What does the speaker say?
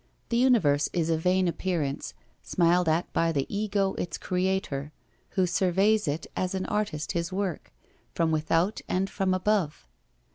The universe is a vain appearance, smiled at by the Ego its creator, who surveys it as an artist his work, from without and from above.